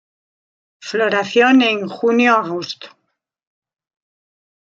Floración en junio-agosto.